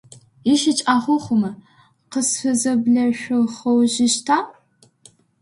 Ищыкӏагъэу хъумэ, къысфызэблэшъухъужьыщта?